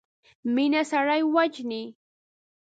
مينه سړی وژني.